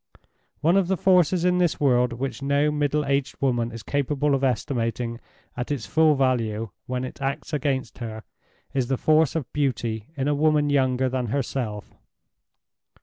One of the forces in this world which no middle aged woman is capable of estimating at its full value, when it acts against her, is the force of beauty in a woman younger than herself.